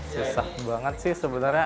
susah banget sih sebenarnya